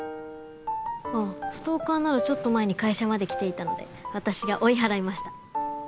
あストーカーならちょっと前に会社まで来ていたので私が追い払いました。